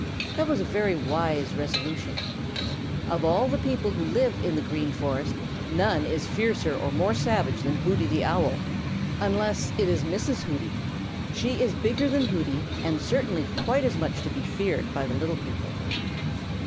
That was a very wise resolution. Of all the people who live in the Green Forest, none is fiercer or more savage than Hooty the Owl, unless it is Mrs. Hooty. She is bigger than Hooty and certainly quite as much to be feared by the little people.